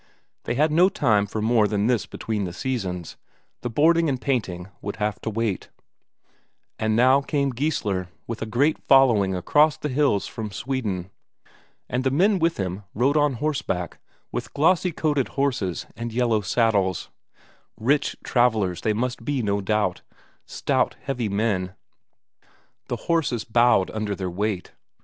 They had no time for more than this between the seasons; the boarding and painting would have to wait. And now came Geissler with a great following across the hills from Sweden. And the men with him rode on horseback with glossy coated horses and yellow saddles; rich travellers they must be no doubt; stout, heavy men; the horses bowed under their weight.